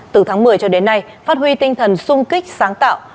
từ tháng một mươi cho đến nay phát huy tinh thần sung kích sáng tạo